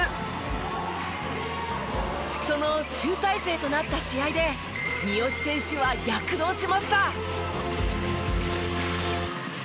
その集大成となった試合で三好選手は躍動しました！